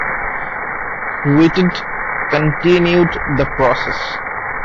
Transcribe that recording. Whitted continued the process.